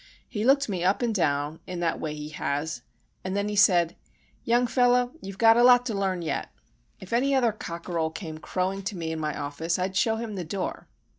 He looked me up and down in that way he has, and then he said,—'Young fellow, you've got a lot to learn yet. If any other cockerel came crowing to me in my office, I'd show him the door.